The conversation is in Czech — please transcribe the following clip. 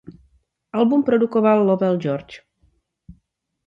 Album produkoval Lowell George.